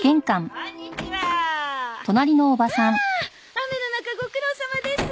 雨の中ご苦労さまです。